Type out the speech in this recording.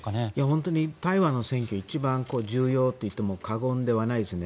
本当に台湾の選挙一番重要といっても過言ではないですよね